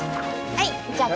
はい？